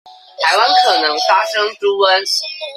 臺灣可能發生豬瘟